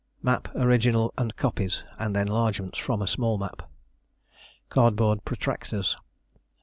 Map, original and copies; and enlargements from a small map. Cardboard protractors.